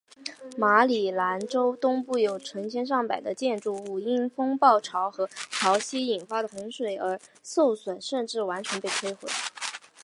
马里兰州东部有成百上千的建筑物因风暴潮和潮汐引发的洪水而受损甚至完全被摧毁。